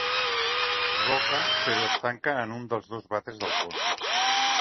Roca, però es tanca en un dels dos vàters del fons.